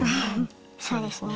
そうですね。